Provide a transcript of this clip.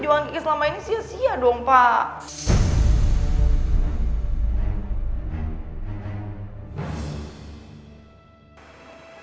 gimana pak kita kan sudah memperkirakan biaya universitas kedokteran memang perlu banyak uang